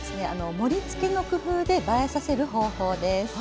盛りつけの工夫で映えさせる方法です。